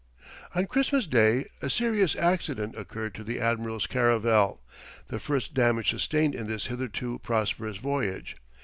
On Christmas Day a serious accident occurred to the admiral's caravel, the first damage sustained in this hitherto prosperous voyage.